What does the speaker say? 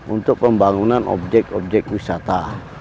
untuk pembangunan objek objek wisata